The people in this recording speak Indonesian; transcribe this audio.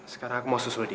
sekarang aku mau susul dia